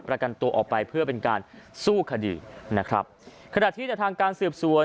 ประกันตัวออกไปเพื่อเป็นการสู้คดีนะครับขณะที่ในทางการสืบสวน